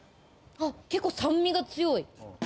結構、酸味が強い。